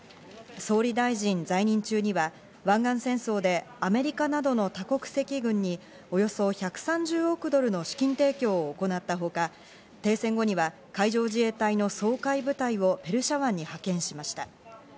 総理大臣在任中には湾岸戦争でアメリカなどの多国籍軍におよそ１３０億ドルの資金提供を行ったほか、停戦後には海上自衛隊の掃海部隊をペルシャ湾に派遣しました。